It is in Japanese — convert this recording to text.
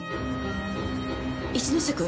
一ノ瀬君？